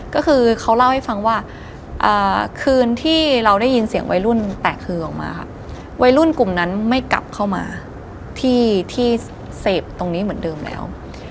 ก็คือเขาเล่าให้ฟังว่าคืนที่เราได้ยินเสียงวัยรุ่นแตกคือออกมาค่ะวัยรุ่นกลุ่มนั้นไม่กลับเข้ามาที่เสพตรงนี้เหมือนเดิมแล้ว